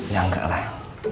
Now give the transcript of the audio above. ya enggak lah